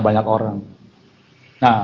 banyak orang nah